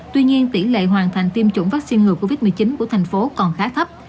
tuy nhiên tỷ lệ hoàn thành tiêm chủng vaccine ngừa covid một mươi chín của thành phố còn khá thấp